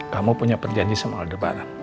kamu punya perjanjian sama aldebaran